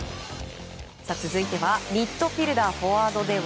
続いてミッドフィールダーフォワードでは